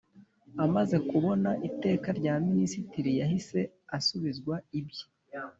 Amaze kubona Iteka rya Minisitiri yahise asubizwa ibye